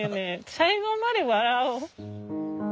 最後まで笑う。